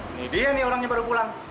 ini dia nih orangnya baru pulang